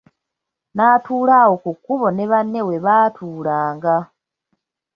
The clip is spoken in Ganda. N'atuula awo ku kkubo ne banne we baatuulanga.